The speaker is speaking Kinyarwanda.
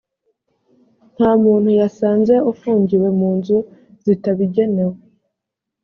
nta muntu yasanze ufungiwe mu nzu zitabigenewe